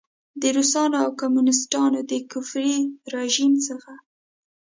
د روسانو او کمونیسټانو د کفري رژیم څخه.